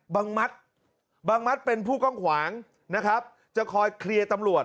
บังมัติบังมัติเป็นผู้ก้องขวางนะครับจะคอยเคลียร์ตำลวด